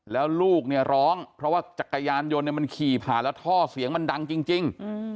แล้วลูกเนี่ยร้องเพราะว่าจักรยานยนต์มันขี่ผ่านแล้วท่อเสียงมันดังจริง